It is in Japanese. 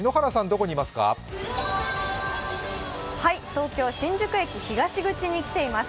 東京・新宿駅東口に来ています。